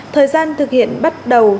thời gian thực hiện bắt đầu